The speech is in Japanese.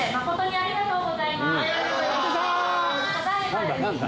ありがとうございます。